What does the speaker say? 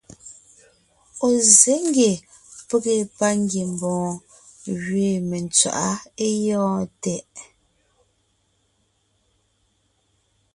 Ɔ̀ zsé ngie pege pangiembɔɔn gẅiin mentswaʼá é gyɔ̂ɔn tɛʼ.